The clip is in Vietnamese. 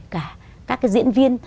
cả các cái diễn viên